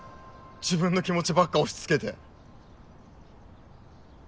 自分の気持ちばっか押しつけて。